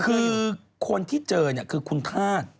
คือคนที่เจรือน่ะคือคุณทาศ